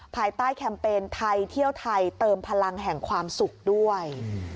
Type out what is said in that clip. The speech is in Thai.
ภายใต้แคมเปญไทยเที่ยวไทยเติมพลังแห่งความสุขด้วย